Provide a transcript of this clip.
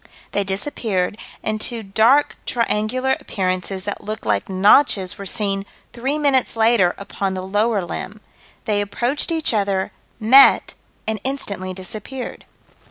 They disappeared, and two dark triangular appearances that looked like notches were seen three minutes later upon the lower limb. They approached each other, met and instantly disappeared.